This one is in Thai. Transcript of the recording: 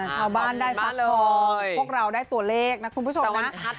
ชาวบ้านได้ซัดคอพวกเราได้ตัวเลขนะคุณผู้ชมนะ